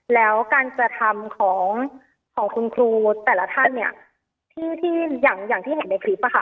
แล้วการกระทำของของคุณครูแต่ละท่านเนี่ยที่อย่างที่เห็นในคลิปอะค่ะ